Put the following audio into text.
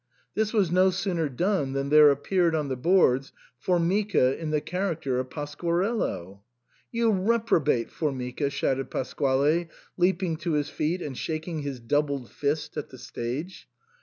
This was no sooner done than there appeared on the boards — Formica in the character of Pasquarello. " You reprobate, Formica !" shouted Pasquale, leap ing to his feet and shaking his doubled fist at the stage.